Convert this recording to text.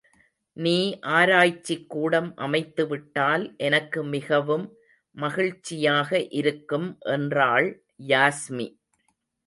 நீ ஆராய்ச்சிக்கூடம் அமைத்துவிட்டால் எனக்கு மிகவும் மகிழ்ச்சியாக இருக்கும் என்றாள் யாஸ்மி.